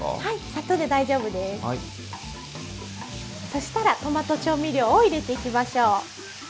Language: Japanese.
そしたらトマト調味料を入れていきましょう。